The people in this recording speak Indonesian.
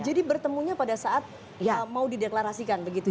jadi bertemunya pada saat mau dideklarasikan begitu ya